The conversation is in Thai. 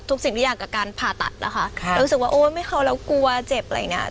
สิ่งทุกอย่างกับการผ่าตัดนะคะรู้สึกว่าโอ้ยไม่เข้าแล้วกลัวเจ็บอะไรอย่างเงี้ย